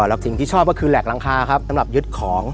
แล้วสิ่งที่ชอบก็คือแหลกหลังคาครับสำหรับยึดของ